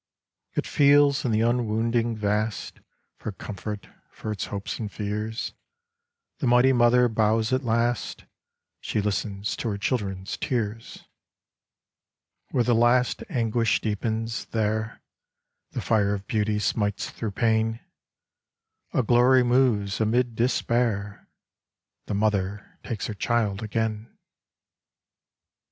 It feels in the unwounding vast For comfort for its hopes and fears : The Mighty Mother bows at last ; She listens to her children's tears. Where the last anguish deepens there The fire of beauty smites through pain : A glory moves amid despair, The Mother takes her child again.